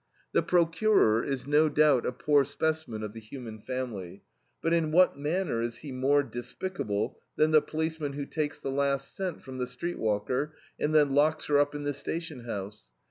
The procurer is no doubt a poor specimen of the human family, but in what manner is he more despicable than the policeman who takes the last cent from the street walker, and then locks her up in the station house?